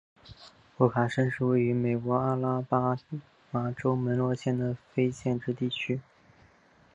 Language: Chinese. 沃卡申是一个位于美国阿拉巴马州门罗县的非建制地区。